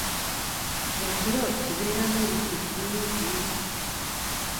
Ekiro kibeeramu ebizibu bingi.